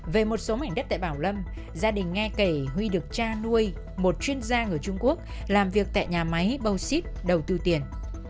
về một số mảnh đất tại bảo lâm gia đình nghe kể huy được cha nuôi một chuyên gia người trung quốc làm việc tại nhà máy bosit đầu tư tiền